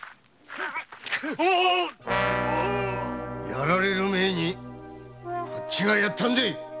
殺られる前にこっちがやったんだ！